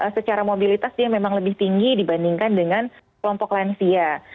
secara mobilitas dia memang lebih tinggi dibandingkan dengan kelompok lansia